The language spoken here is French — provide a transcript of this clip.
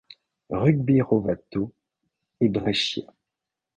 Rugby Rovato et Brescia.